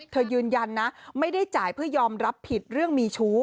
ยืนยันนะไม่ได้จ่ายเพื่อยอมรับผิดเรื่องมีชู้